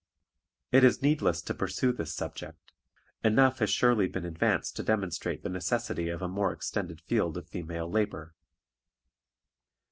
It is needless to pursue this subject. Enough has surely been advanced to demonstrate the necessity of a more extended field of female labor.